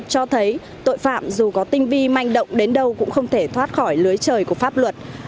cho thấy tội phạm dù có tinh vi manh động đến đâu cũng không thể thoát khỏi lưới trời của pháp luật